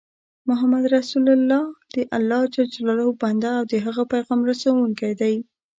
محمد رسول الله دالله ج بنده او د د هغه پیغام رسوونکی دی